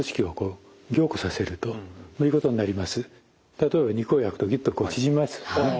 例えば肉を焼くとギュッと縮みますよね。